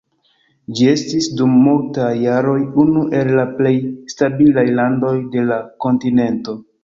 Ĝi estis dum multaj jaroj unu el la plej stabilaj landoj de la kontinento.